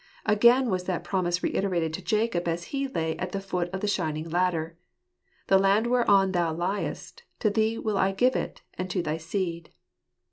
Again was that promise reiterated to Jacob as he lay at the foot of the shining ladder, "The land whereon thou liest, to thee will I give it, and to thy seed."